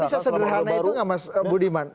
tapi sesederhana itu nggak mas budiman